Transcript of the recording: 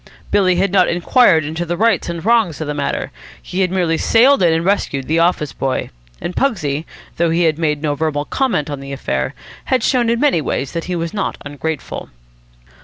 Billy had not inquired into the rights and wrongs of the matter: he had merely sailed in and rescued the office boy. And Pugsy, though he had made no verbal comment on the affair, had shown in many ways that he was not ungrateful.